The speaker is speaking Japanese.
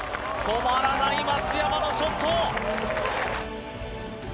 止まらない、松山のショット！